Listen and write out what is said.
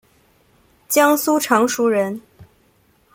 江苏常熟人。